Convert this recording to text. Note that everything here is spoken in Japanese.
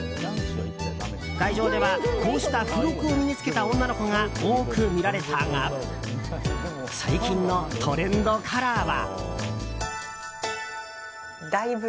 会場では、こうした付録を身に着けた女の子が多く見られたが最近のトレンドカラーは。